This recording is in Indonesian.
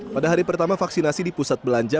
pada hari pertama vaksinasi di pusat belanja